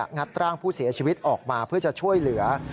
ัดร่างผู้เสียชีวิตออกมาเพื่อจะช่วยเหลือ